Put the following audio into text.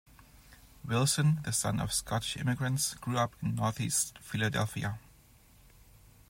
Wilson, the son of Scottish immigrants, grew up in northeast Philadelphia.